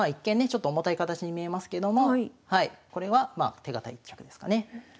ちょっと重たい形に見えますけどもこれは手堅い一局ですかね。